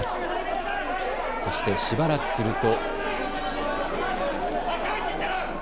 そしてしばらくすると。